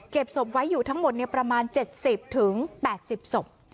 เก็บศพไว้อยู่ทั้งหมดเนี่ยประมาณเจ็ดสิบถึงแปดสิบศพ